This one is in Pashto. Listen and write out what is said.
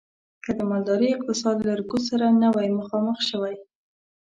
که د مالدارۍ اقتصاد له رکود سره نه وی مخامخ شوی.